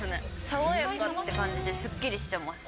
爽やかって感じですっきりしてます。